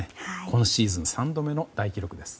今シーズン３度目の大記録です。